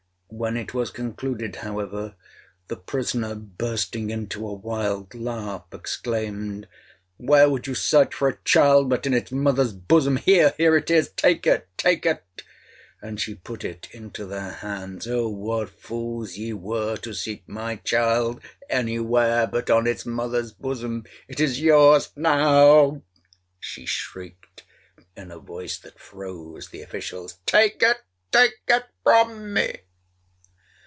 When it was concluded, however, the prisoner, bursting into a wild laugh, exclaimed, 'Where would you search for a child but in its mother's bosom? Here—here it is—take it—take it!' And she put it into their hands. 'Oh what fools ye were to seek my child any where but on its mother's bosom! It is your's now!' she shrieked in a voice that froze the officials.—'Take it—take it from me!'